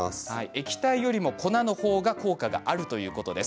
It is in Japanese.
液体よりも粉の方が効果があるということです。